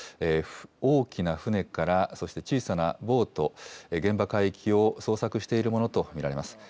大きな船からそして小さなボート、現場海域を捜索しているものと見られます。